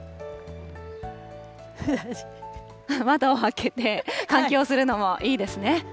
窓を開けて、換気をするのもいいですね。